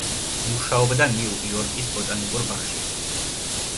მუშაობდა ნიუ-იორკის ბოტანიკურ ბაღში.